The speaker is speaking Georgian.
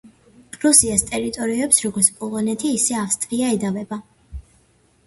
პრუსიას ტერიტორიებს როგორც პოლონეთი, ისე ავსტრია ედავებოდა.